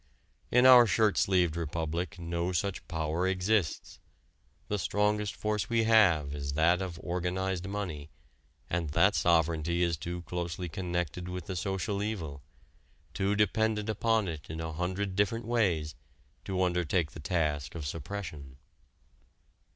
In our shirt sleeved republic no such power exists. The strongest force we have is that of organized money, and that sovereignty is too closely connected with the social evil, too dependent upon it in a hundred different ways, to undertake the task of suppression.